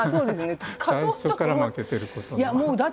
最初から負けてることのほうが。